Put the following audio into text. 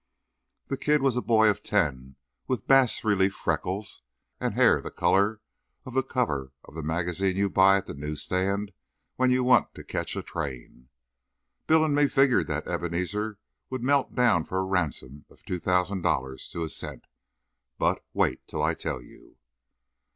The kid was a boy of ten, with bas relief freckles, and hair the colour of the cover of the magazine you buy at the news stand when you want to catch a train. Bill and me figured that Ebenezer would melt down for a ransom of two thousand dollars to a cent. But wait till I tell you.